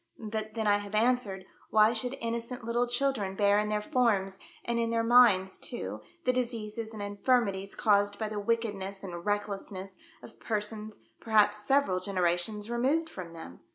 "But then I have answered, why should innocent little children bear in their forms, and in their minds too, the diseases and infirmities caused by the wickedness and recklessness of per sons, perhaps several generations removed from them